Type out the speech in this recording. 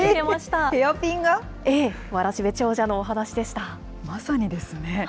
まさにですね。